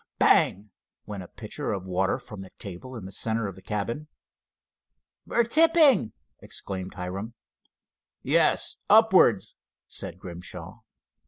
Bang! went a pitcher of water from the table in the center of the cabin. "We're tipping," exclaimed Hiram. "Yes, upwards," said Grimshaw.